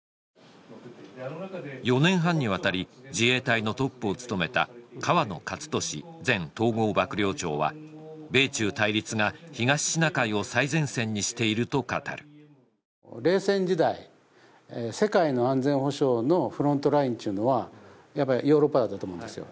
４年半にわたり自衛隊のトップを務めた河野克俊前統合幕僚長は米中対立が東シナ海を最前線にしていると語る冷戦時代世界の安全保障のフロントラインというのはやっぱりヨーロッパだったと思うんですよ